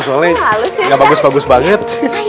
soalnya ya bagus bagus banget